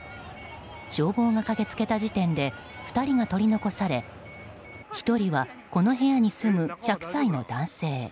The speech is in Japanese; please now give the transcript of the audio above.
消防が駆け付けた時点で２人が取り残され１人はこの部屋に住む１００歳の男性。